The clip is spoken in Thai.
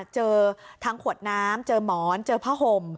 เจอทั้งขวดน้ำเจอหมอนเจอผ้าห่ม